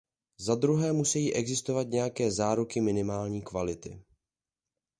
Zadruhé musejí existovat nějaké záruky minimální kvality.